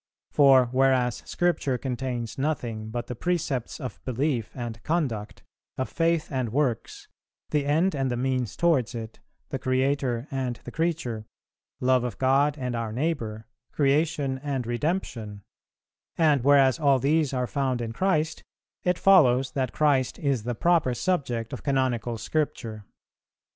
...... For whereas Scripture contains nothing but the precepts of belief and conduct, or faith and works, the end and the means towards it, the Creator and the creature, love of God and our neighbour, creation and redemption, and whereas all these are found in Christ, it follows that Christ is the proper subject of Canonical Scripture.